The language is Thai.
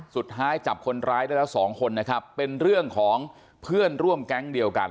สุดท้ายจับคนร้ายได้แล้วสองคนนะครับเป็นเรื่องของเพื่อนร่วมแก๊งเดียวกัน